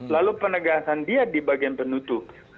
lalu penegasan dia di bagian penutup